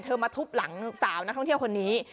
มาทุบหลังสาวนักท่องเที่ยวคนนี้